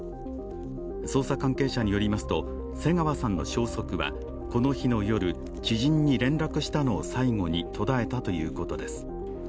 捜査関係者によりますと瀬川さんの消息は、この日の夜知人に連絡したのを最後に途絶えたということです。